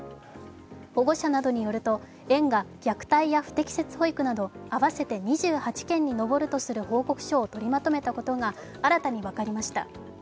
保護者などによると、園が虐待や不適切保育など合わせて２８件に上るとする報告書を取りまとめたことが新たに分かりました。